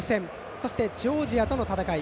そしてジョージアとの戦い